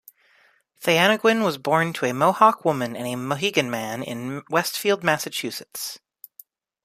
Theyanoguin was born to a Mohawk woman and a Mohegan man in Westfield, Massachusetts.